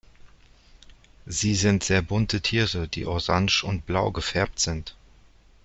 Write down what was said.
Sie sind sehr bunte Tiere, die orange und blau gefärbt sind.